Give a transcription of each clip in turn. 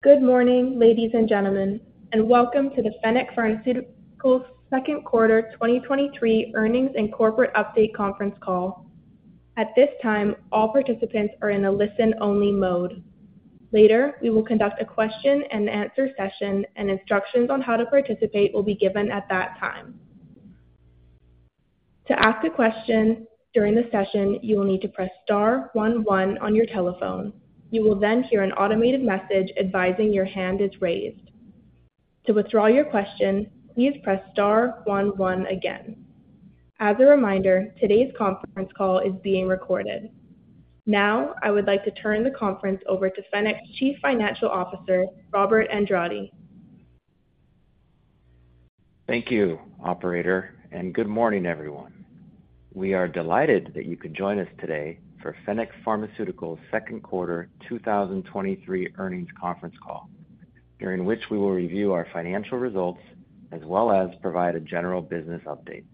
Good morning, ladies and gentlemen, welcome to the Fennec Pharmaceuticals Q2 2023 Earnings and Corporate Update conference call. At this time, all participants are in a listen-only mode. Later, we will conduct a question and answer session, instructions on how to participate will be given at that time. To ask a question during the session, you will need to press star one one on your telephone. You will hear an automated message advising your hand is raised. To withdraw your question, please press star one one again. As a reminder, today's conference call is being recorded. Now, I would like to turn the conference over to Fennec's Chief Financial Officer, Robert Andrade. Thank you, operator. Good morning, everyone. We are delighted that you could join us today for Fennec Pharmaceuticals Q2 2023 earnings conference call, during which we will review our financial results as well as provide a general business update.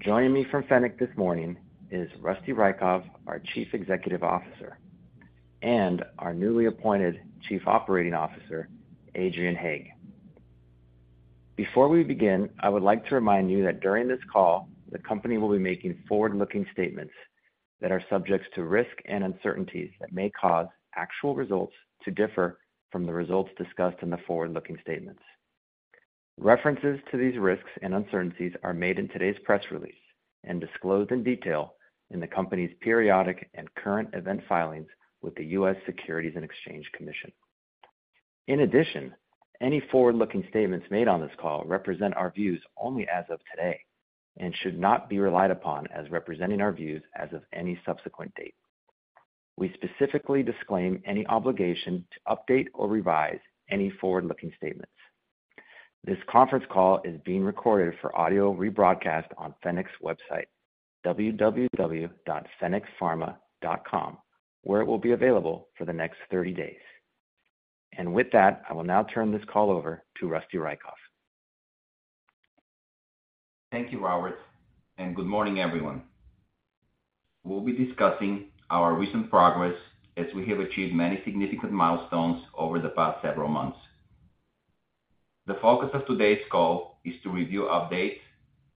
Joining me from Fennec this morning is Rosty Raykov, our Chief Executive Officer, and our newly appointed Chief Operating Officer, Adrian Haigh. Before we begin, I would like to remind you that during this call, the company will be making forward-looking statements that are subjects to risks and uncertainties that may cause actual results to differ from the results discussed in the forward-looking statements. References to these risks and uncertainties are made in today's press release and disclosed in detail in the company's periodic and current event filings with the U.S. Securities and Exchange Commission. In addition, any forward-looking statements made on this call represent our views only as of today and should not be relied upon as representing our views as of any subsequent date. We specifically disclaim any obligation to update or revise any forward-looking statements. This conference call is being recorded for audio rebroadcast on Fennec's website, www.fennecpharma.com, where it will be available for the next 30 days. With that, I will now turn this call over to Rosty Raykov. Thank you, Robert, and good morning, everyone. We'll be discussing our recent progress as we have achieved many significant milestones over the past several months. The focus of today's call is to review updates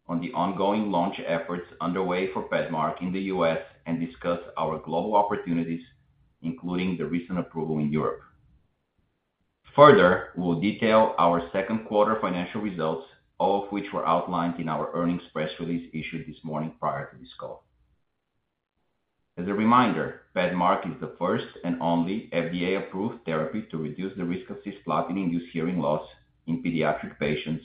on the ongoing launch efforts underway for PEDMARK in the US and discuss our global opportunities, including the recent approval in Europe. Further, we'll detail our Q2 financial results, all of which were outlined in our earnings press release issued this morning prior to this call. As a reminder, PEDMARK is the first and only FDA-approved therapy to reduce the risk of cisplatin-induced hearing loss in pediatric patients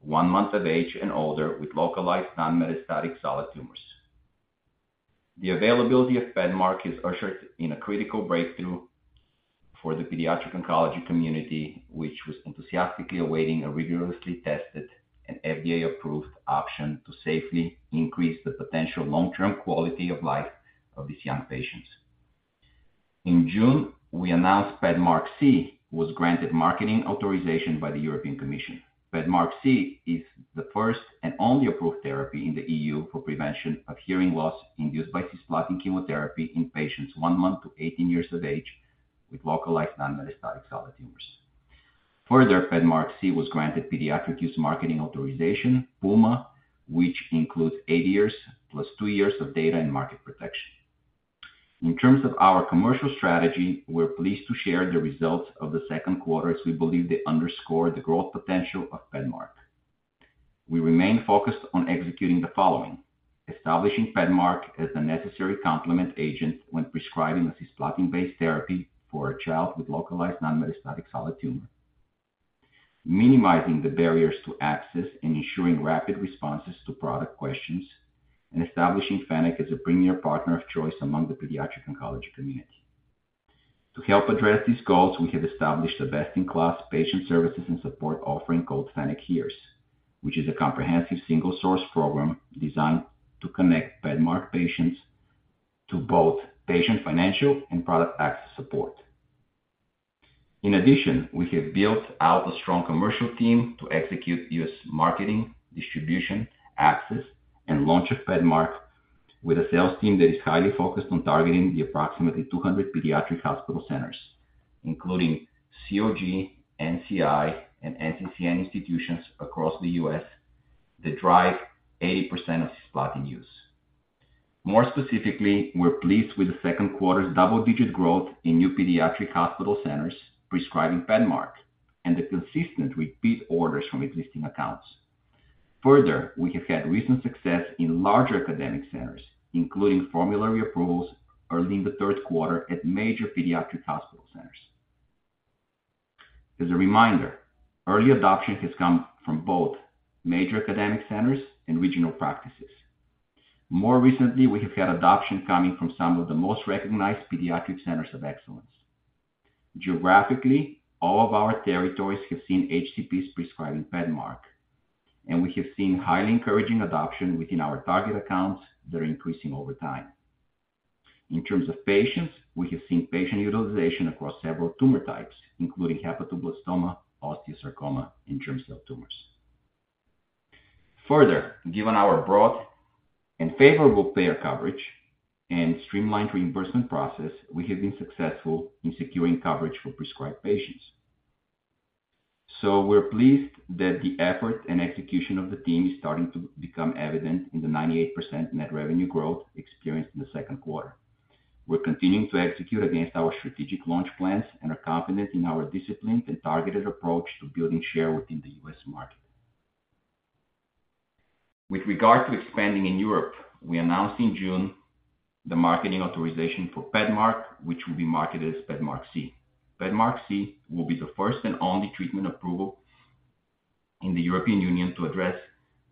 one month of age and older with localized, non-metastatic solid tumors. The availability of PEDMARK has ushered in a critical breakthrough for the pediatric oncology community, which was enthusiastically awaiting a rigorously tested and FDA-approved option to safely increase the potential long-term quality of life of these young patients. In June, we announced PEDMARQSI was granted marketing authorization by the European Commission. PEDMARQSI is the first and only approved therapy in the EU for prevention of hearing loss induced by cisplatin chemotherapy in patients 1 month to 18 years of age with localized, non-metastatic solid tumors. Further, PEDMARQSI was granted Pediatric Use Marketing Authorization, PUMA, which includes 8 years plus 2 years of data and market protection. In terms of our commercial strategy, we're pleased to share the results of the Q2, as we believe they underscore the growth potential of PEDMARK. We remain focused on executing the following: establishing PEDMARK as the necessary complement agent when prescribing a cisplatin-based therapy for a child with localized, non-metastatic solid tumor, minimizing the barriers to access and ensuring rapid responses to product questions, and establishing Fennec as a premier partner of choice among the pediatric oncology community. To help address these goals, we have established a best-in-class patient services and support offering called Fennec HEARS, which is a comprehensive single-source program designed to connect PEDMARK patients to both patient, financial, and product access support. In addition, we have built out a strong commercial team to execute US marketing, distribution, access, and launch of PEDMARK with a sales team that is highly focused on targeting the approximately 200 pediatric hospital centers, including COG, NCI, and NCCN institutions across the US that drive 80% of cisplatin use. More specifically, we're pleased with the Q2's double-digit growth in new pediatric hospital centers prescribing PEDMARK and the consistent repeat orders from existing accounts. We have had recent success in larger academic centers, including formulary approvals early in the Q3 at major pediatric hospital centers. As a reminder, early adoption has come from both major academic centers and regional practices. More recently, we have had adoption coming from some of the most recognized pediatric centers of excellence. Geographically, all of our territories have seen HCPs prescribing PEDMARK, and we have seen highly encouraging adoption within our target accounts that are increasing over time. In terms of patients, we have seen patient utilization across several tumor types, including hepatoblastoma, osteosarcoma, and germ cell tumors.... Given our broad and favorable payer coverage and streamlined reimbursement process, we have been successful in securing coverage for prescribed patients. We're pleased that the effort and execution of the team is starting to become evident in the 98% net revenue growth experienced in the Q2. We're continuing to execute against our strategic launch plans and are confident in our disciplined and targeted approach to building share within the US market. With regard to expanding in Europe, we announced in June the marketing authorization for PEDMARK, which will be marketed as PEDMARQSI. PEDMARQSI will be the first and only treatment approval in the European Union to address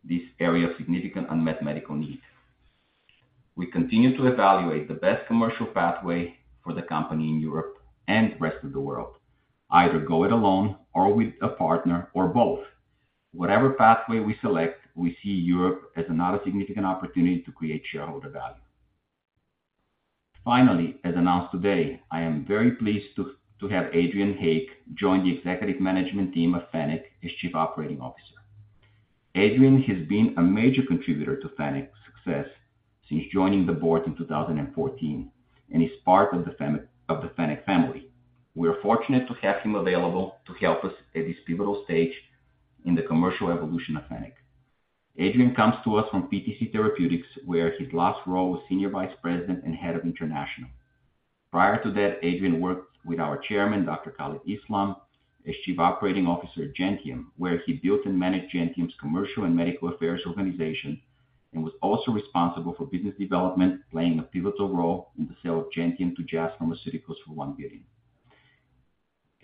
this area of significant unmet medical needs. We continue to evaluate the best commercial pathway for the company in Europe and the rest of the world, either go it alone or with a partner or both. Whatever pathway we select, we see Europe as another significant opportunity to create shareholder value. Finally, as announced today, I am very pleased to have Adrian Haigh join the executive management team of Fennec as Chief Operating Officer. Adrian has been a major contributor to Fennec's success since joining the board in 2014 and is part of the Fennec family. We are fortunate to have him available to help us at this pivotal stage in the commercial evolution of Fennec. Adrian comes to us from PTC Therapeutics, where his last role was Senior Vice President and Head of International. Prior to that, Adrian worked with our chairman, Dr. Khalid Islam, as Chief Operating Officer at Gentium, where he built and managed Gentium's commercial and medical affairs organization, and was also responsible for business development, playing a pivotal role in the sale of Gentium to Jazz Pharmaceuticals for $1 billion.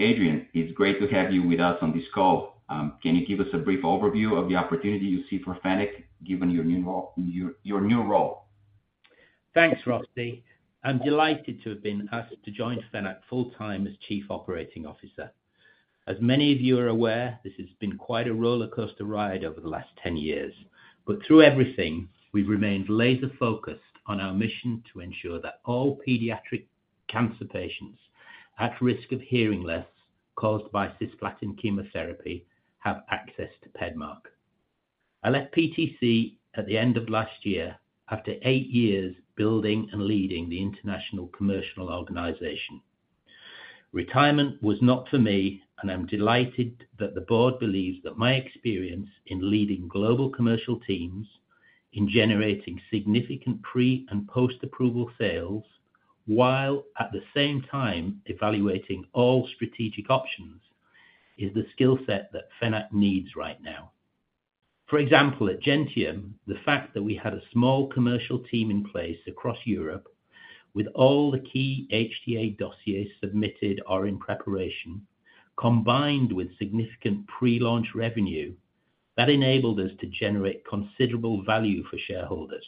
Adrian, it's great to have you with us on this call. Can you give us a brief overview of the opportunity you see for Fennec, given your new role? Thanks, Rosty. I'm delighted to have been asked to join Fennec full-time as Chief Operating Officer. As many of you are aware, this has been quite a rollercoaster ride over the last 10 years. Through everything, we've remained laser-focused on our mission to ensure that all pediatric cancer patients at risk of hearing loss caused by cisplatin chemotherapy have access to PEDMARK. I left PTC at the end of last year after eight years building and leading the international commercial organization. Retirement was not for me, and I'm delighted that the board believes that my experience in leading global commercial teams, in generating significant pre- and post-approval sales, while at the same time evaluating all strategic options, is the skill set that Fennec needs right now. For example, at Gentium, the fact that we had a small commercial team in place across Europe with all the key HTA dossiers submitted are in preparation, combined with significant pre-launch revenue, that enabled us to generate considerable value for shareholders.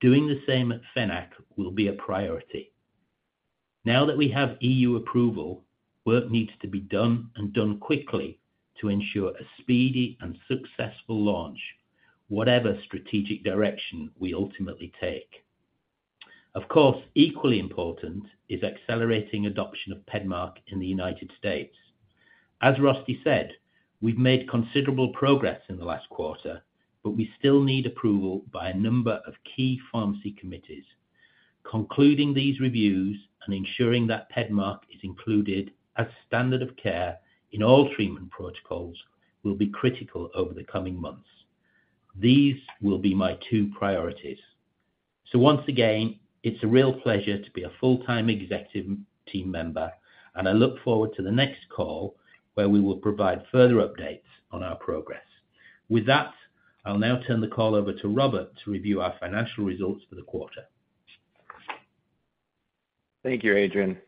Doing the same at Fennec will be a priority. Now that we have EU approval, work needs to be done and done quickly to ensure a speedy and successful launch, whatever strategic direction we ultimately take. Equally important is accelerating adoption of PEDMARK in the United States. As Rosty said, we've made considerable progress in the last quarter, we still need approval by a number of key pharmacy committees. Concluding these reviews and ensuring that PEDMARK is included as standard of care in all treatment protocols will be critical over the coming months. These will be my two priorities. Once again, it's a real pleasure to be a full-time executive team member, and I look forward to the next call, where we will provide further updates on our progress. With that, I'll now turn the call over to Robert to review our financial results for the quarter. Thank you, Adrian.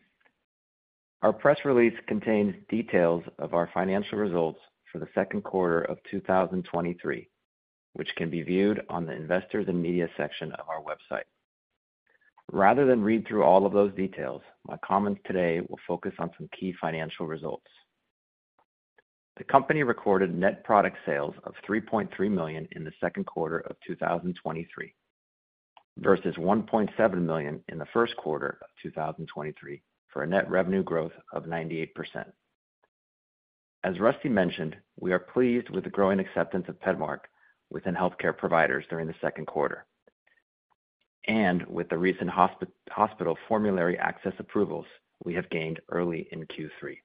Our press release contains details of our financial results for the Q2 of 2023, which can be viewed on the Investors and Media section of our website. Rather than read through all of those details, my comments today will focus on some key financial results. The company recorded net product sales of $3.3 million in the Q2 of 2023, versus $1.7 million in the Q1 of 2023, for a net revenue growth of 98%. As Rosty mentioned, we are pleased with the growing acceptance of Pedmark within healthcare providers during the Q2, and with the recent hospital formulary access approvals we have gained early in Q3.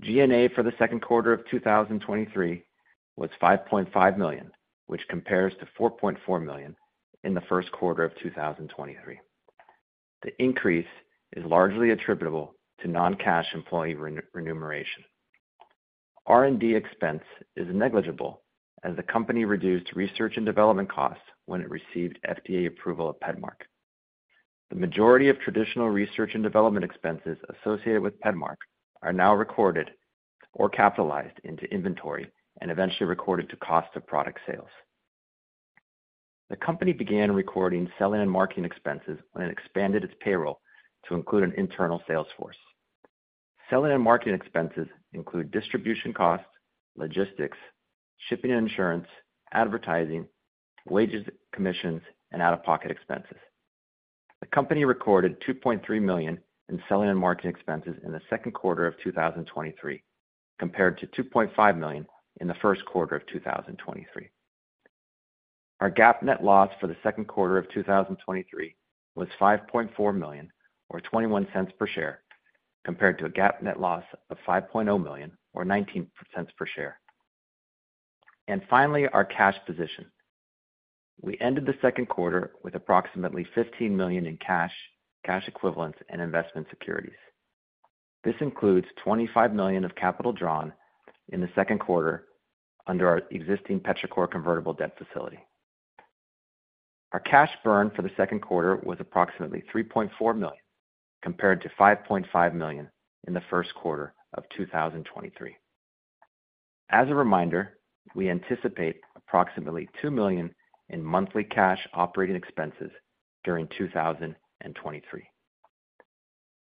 G&A for the Q2 of 2023 was $5.5 million, which compares to $4.4 million in the Q1 of 2023. The increase is largely attributable to non-cash employee remuneration. R&D expense is negligible, as the company reduced research and development costs when it received FDA approval of PEDMARK. The majority of traditional research and development expenses associated with PEDMARK are now recorded or capitalized into inventory and eventually recorded to cost of product sales. The company began recording selling and marketing expenses when it expanded its payroll to include an internal sales force. Selling and marketing expenses include distribution costs, logistics, shipping and insurance, advertising, wages, commissions, and out-of-pocket expenses.... The company recorded $2.3 million in selling and marketing expenses in the Q2 of 2023, compared to $2.5 million in the Q1 of 2023. Our GAAP net loss for the Q2 of 2023 was $5.4 million, or $0.21 per share, compared to a GAAP net loss of $5.0 million, or $0.19 per share. Finally, our cash position. We ended the Q2 with approximately $15 million in cash, cash equivalents, and investment securities. This includes $25 million of capital drawn in the Q2 under our existing Petrichor convertible debt facility. Our cash burn for the Q2 was approximately $3.4 million, compared to $5.5 million in the Q1 of 2023. As a reminder, we anticipate approximately $2 million in monthly cash operating expenses during 2023.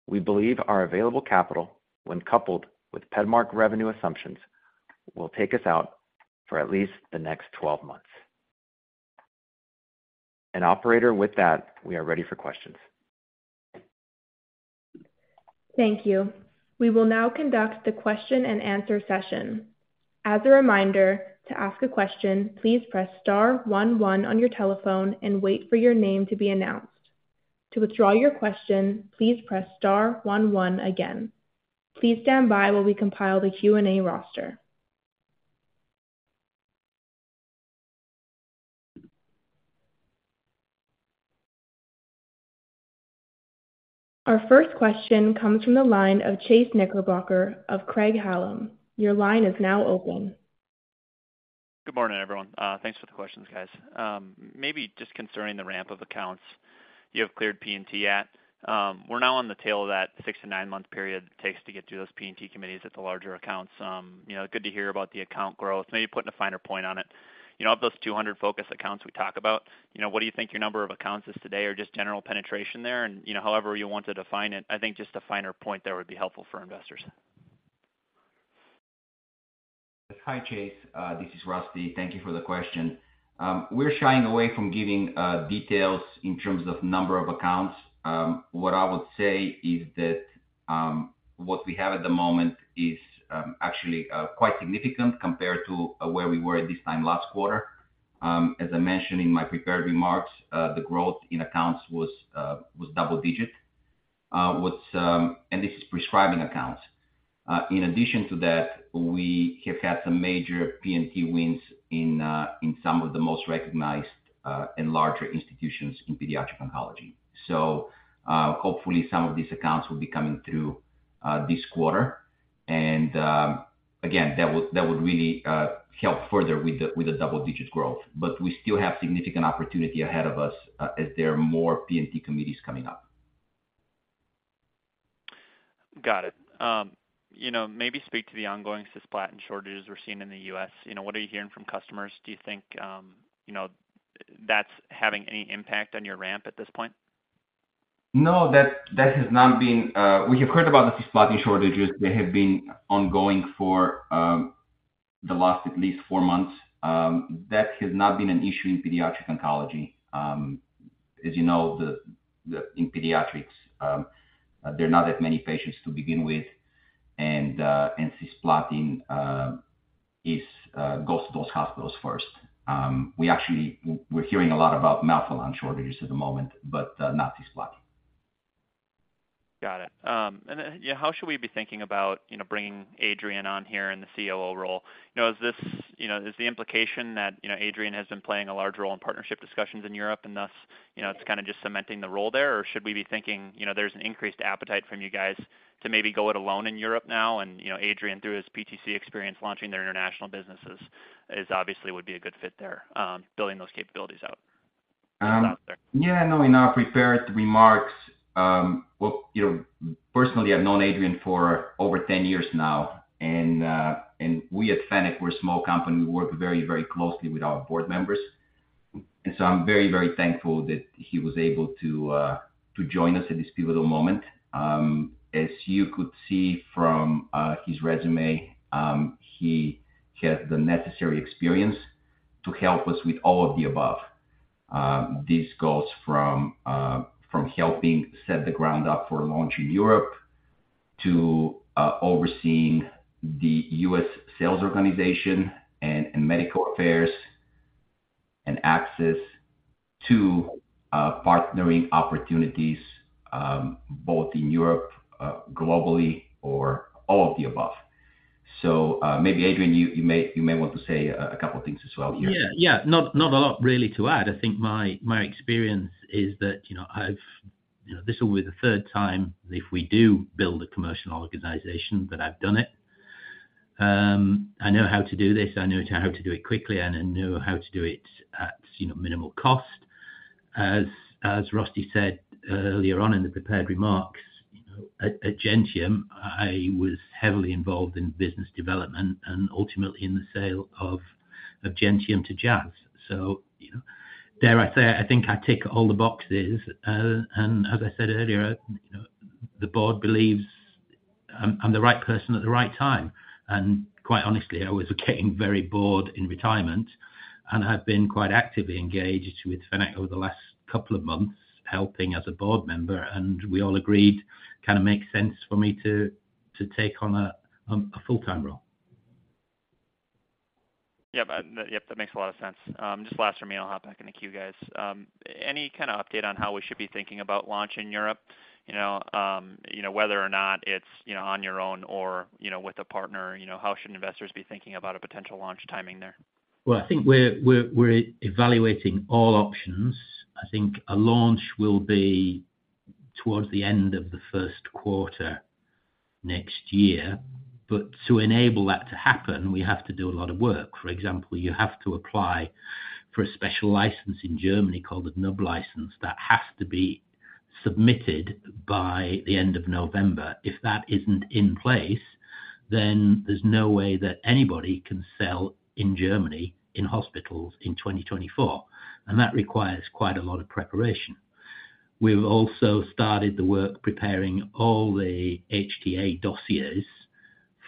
We believe our available capital, when coupled with PEDMARK revenue assumptions, will take us out for at least the next 12 months. Operator, with that, we are ready for questions. Thank you. We will now conduct the question and answer session. As a reminder, to ask a question, please press star one one on your telephone and wait for your name to be announced. To withdraw your question, please press star one one again. Please stand by while we compile the Q&A roster. Our first question comes from the line of Chase Knickerbocker of Craig-Hallum. Your line is now open. Good morning, everyone. Thanks for the questions, guys. Maybe just concerning the ramp of accounts you have cleared P&T at, we're now on the tail of that six to nine-month period it takes to get through those P&T committees at the larger accounts. You know, good to hear about the account growth. Maybe putting a finer point on it. You know, of those 200 focus accounts we talk about, you know, what do you think your number of accounts is today or just general penetration there? You know, however you want to define it, I think just a finer point there would be helpful for investors. Hi, Chase. This is Rosty. Thank you for the question. We're shying away from giving details in terms of number of accounts. What I would say is that what we have at the moment is actually quite significant compared to where we were at this time last quarter. As I mentioned in my prepared remarks, the growth in accounts was double-digit. What's... This is prescribing accounts. In addition to that, we have had some major P&T wins in some of the most recognized and larger institutions in pediatric oncology. Hopefully, some of these accounts will be coming through this quarter. Again, that would, that would really help further with the double-digit growth. We still have significant opportunity ahead of us, as there are more P&T committees coming up. Got it. You know, maybe speak to the ongoing cisplatin shortages we're seeing in the US. You know, what are you hearing from customers? Do you think, you know, that's having any impact on your ramp at this point? No, that has not been. We have heard about the cisplatin shortages. They have been ongoing for the last at least 4 months. That has not been an issue in pediatric oncology. As you know, in pediatrics, there are not that many patients to begin with, and cisplatin is goes to those hospitals first. We actually, we're hearing a lot about melphalan shortages at the moment, but not cisplatin. Got it. Yeah, how should we be thinking about, you know, bringing Adrian Haigh on here in the COO role? You know, is this, you know, is the implication that, you know, Adrian Haigh has been playing a large role in partnership discussions in Europe, and thus, you know, it's kind of just cementing the role there? Or should we be thinking, you know, there's an increased appetite from you guys to maybe go it alone in Europe now, and, you know, Adrian Haigh, through his PTC experience, launching their international businesses, is obviously would be a good fit there, building those capabilities out? In our prepared remarks, well, you know, personally, I've known Adrian for over 10 years now, and we at Fennec, we're a small company. We work very, very closely with our board members. I'm very, very thankful that he was able to join us at this pivotal moment. As you could see from his resume, he has the necessary experience to help us with all of the above. This goes from from helping set the ground up for launch in Europe to overseeing the US sales organization and medical affairs, and access to partnering opportunities, both in Europe, globally or all of the above. Maybe, Adrian, you, you may, you may want to say a couple of things as well here. Yeah, yeah. Not, not a lot really to add. I think my, my experience is that, you know, I've. You know, this will be the 3rd time if we do build a commercial organization, that I've done it. I know how to do this. I know how to do it quickly, and I know how to do it at, you know, minimal cost. As, as Rosty said earlier on in the prepared remarks, you know, at, at Gentium, I was heavily involved in business development and ultimately in the sale of, of Gentium to Jazz. You know, dare I say, I think I tick all the boxes. As I said earlier, you know, the board believes- I'm the right person at the right time, and quite honestly, I was getting very bored in retirement and had been quite actively engaged with Fennec over the last couple of months, helping as a board member, and we all agreed, kinda makes sense for me to take on a full-time role. Yep, yep, that makes a lot of sense. Just last for me, I'll hop back in the queue, guys. Any kind of update on how we should be thinking about launch in Europe? You know, you know, whether or not it's, you know, on your own or, you know, with a partner. You know, how should investors be thinking about a potential launch timing there? Well, I think we're evaluating all options. I think a launch will be towards the end of the Q1 next year, but to enable that to happen, we have to do a lot of work. For example, you have to apply for a special license in Germany called the NUB license. That has to be submitted by the end of November. If that isn't in place, then there's no way that anybody can sell in Germany, in hospitals in 2024, and that requires quite a lot of preparation. We've also started the work preparing all the HTA dossiers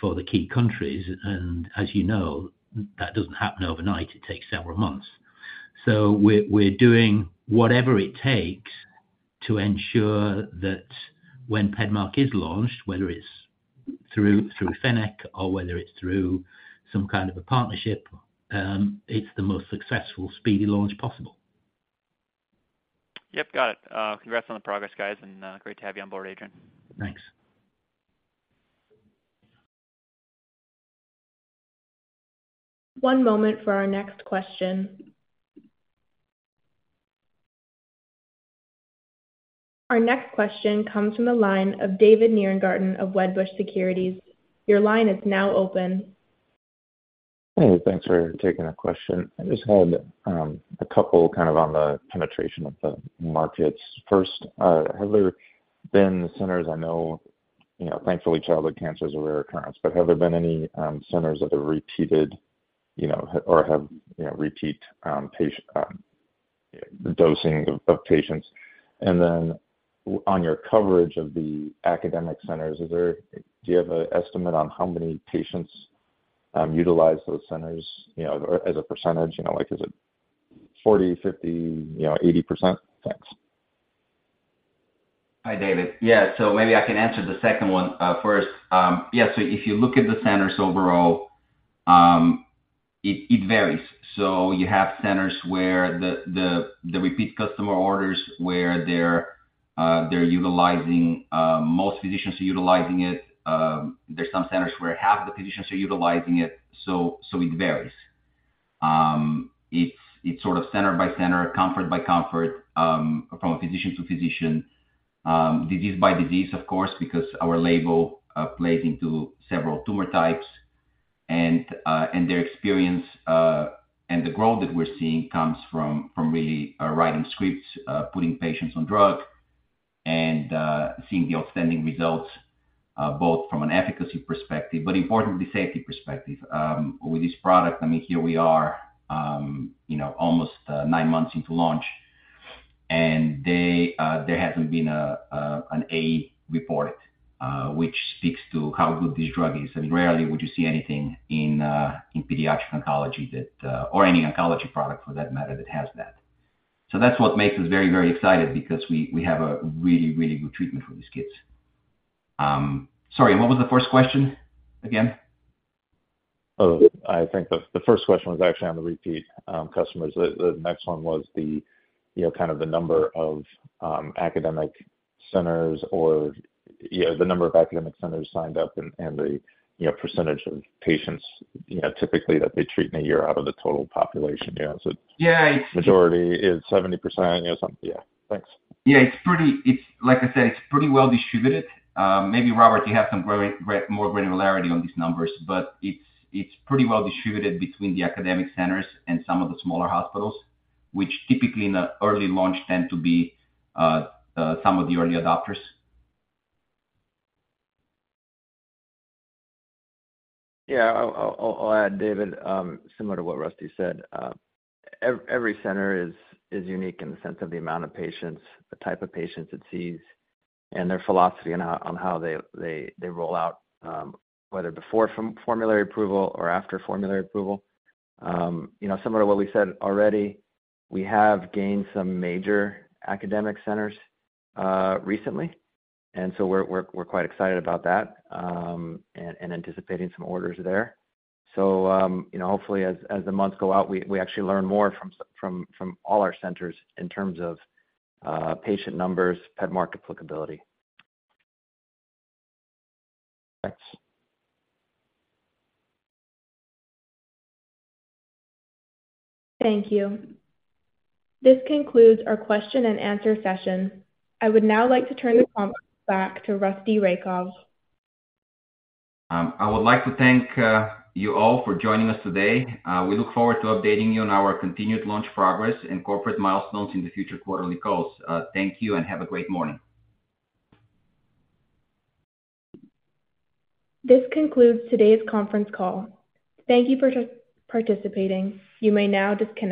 for the key countries, and as you know, that doesn't happen overnight. It takes several months. We're, we're doing whatever it takes to ensure that when PEDMARK is launched, whether it's through, through Fennec or whether it's through some kind of a partnership, it's the most successful, speedy launch possible. Yep, got it. Congrats on the progress, guys, and great to have you on board, Adrian Haigh. Thanks. One moment for our next question. Our next question comes from the line of David Nierengarten of Wedbush Securities. Your line is now open. Hey, thanks for taking the question. I just had a couple, kind of on the penetration of the markets. First, have there been centers... I know, you know, thankfully, childhood cancer is a rare occurrence, but have there been any centers that have repeated, you know, or have, you know, repeat patient dosing of patients? Then on your coverage of the academic centers, do you have an estimate on how many patients utilize those centers, you know, as a percentage? You know, like, is it 40, 50, you know, 80%? Thanks. Hi, David. Yeah, maybe I can answer the second one first. Yeah, if you look at the centers overall, it varies. You have centers where the, the, the repeat customer orders, where they're utilizing, most physicians are utilizing it. There's some centers where half the physicians are utilizing it, so it varies. It's, it's sort of center by center, comfort by comfort, from physician to physician, disease by disease, of course, because our label plays into several tumor types. Their experience and the growth that we're seeing comes from, from really, writing scripts, putting patients on drug, and seeing the outstanding results, both from an efficacy perspective, but importantly, safety perspective, with this product. I mean, here we are, you know, almost 9 months into launch, and they, there hasn't been an A reported, which speaks to how good this drug is. Rarely would you see anything in pediatric oncology that, or any oncology product for that matter, that has that. That's what makes us very, very excited, because we, we have a really, really good treatment for these kids. Sorry, what was the first question again? I think the first question was actually on the repeat customers. The next one was the, you know, kind of the number of academic centers or, you know, the number of academic centers signed up and the, you know, percentage of patients, you know, typically that they treat in a year out of the total population. Yeah. -majority is 70% or something. Yeah, thanks. Yeah, it's like I said, it's pretty well distributed. Maybe, Robert, you have some great granularity on these numbers, but it's pretty well distributed between the academic centers and some of the smaller hospitals, which typically in the early launch tend to be some of the early adopters. Yeah, I'll, I'll, I'll add, David, similar to what Rosty said, every center is unique in the sense of the amount of patients, the type of patients it sees, and their philosophy on how, on how they, they, they roll out, whether before formulary approval or after formulary approval. You know, similar to what we said already, we have gained some major academic centers recently, and so we're, we're, we're quite excited about that, and anticipating some orders there. You know, hopefully as the months go out, we actually learn more from all our centers in terms of patient numbers, PEDMARK applicability. Thanks. Thank you. This concludes our question and answer session. I would now like to turn the conference back to Rosty Raykov. I would like to thank you all for joining us today. We look forward to updating you on our continued launch progress and corporate milestones in the future quarterly calls. Thank you and have a great morning. This concludes today's conference call. Thank you for participating. You may now disconnect.